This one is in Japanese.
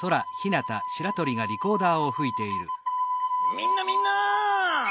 みんなみんなどう？